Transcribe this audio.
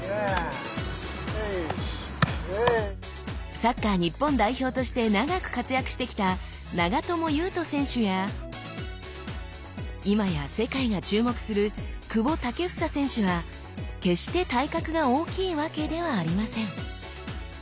サッカー日本代表として長く活躍してきた長友佑都選手や今や世界が注目する久保建英選手は決して体格が大きいわけではありません。